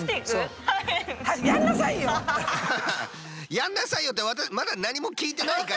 「やんなさいよ！」ってまだなにもきいてないから。